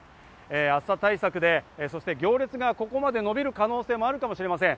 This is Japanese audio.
暑さ対策でそして行列がここまでのびる可能性もあるかもしれません。